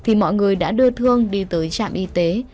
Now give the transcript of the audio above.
thì mọi người đã đưa thương đi tới trạm y tế